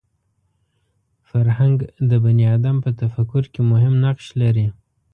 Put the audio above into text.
فرهنګ د بني ادم په تفکر کې مهم نقش لري